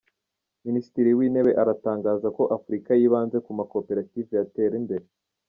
Minisitiri w’Intebe aratangaza ko Afurika yibanze ku makoperative yatera imbere